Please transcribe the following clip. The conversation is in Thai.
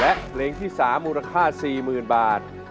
และเพลงที่๓มูลค่า๔๐๐๐บาท